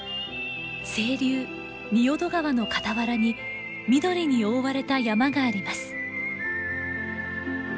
清流仁淀川の傍らに緑に覆われた山があります。